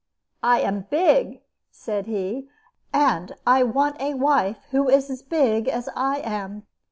"I am big," said he, "and I want a wife who is as big as I am."